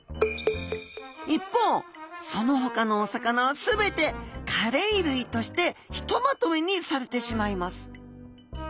一方そのほかのお魚は全てカレイ類としてひとまとめにされてしまいます。